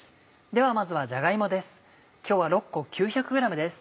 ではまずはじゃが芋です。